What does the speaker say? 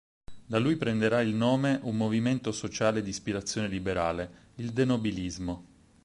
Da lui prenderà il nome un movimento sociale d’ispirazione liberale, il "denobilismo".